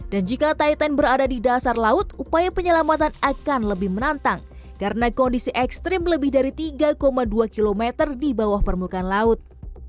dan jika titan berada di dasar laut upaya penyelamatan akan lebih menantang karena kondisi ekstrim lebih dari tiga dua km di bawah permukaan laut